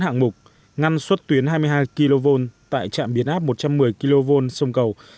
hạng mục ngăn suất tuyến hai mươi hai kv tại trạm biến áp một trăm một mươi kv sông cầu